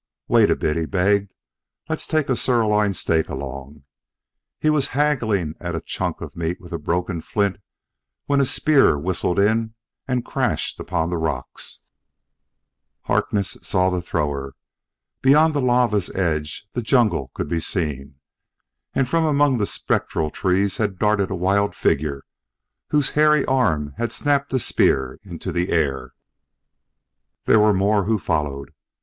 "Wait a bit," he begged: "let's take a sirloin steak along " He was haggling at a chunk of meat with a broken flint when a spear whistled in and crashed upon the rocks. Harkness saw the thrower. Beyond the lava's edge the jungle could be seen, and from among the spectral trees had darted a wild figure whose hairy arm had snapped the spear into the air. There were more who followed.